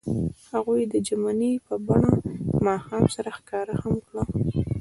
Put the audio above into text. هغوی د ژمنې په بڼه ماښام سره ښکاره هم کړه.